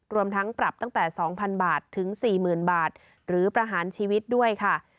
รวมทั้งปรับตั้งแต่สองพันบาทถึงสี่หมื่นบาทหรือประหารชีวิตด้วยค่ะ